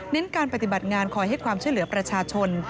การปฏิบัติงานคอยให้ความช่วยเหลือประชาชน